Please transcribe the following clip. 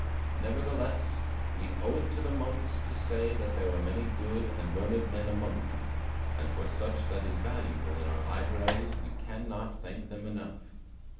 Nevertheless, we owe it to the monks to say that there were many good and learned men among them, and for much that is valuable in our libraries we can not thank them enough.